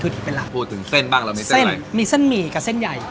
พูดถึงเส้นบ้างเรามีเส้นอะไรเส้นมีเส้นหมี่กับเส้นใหญ่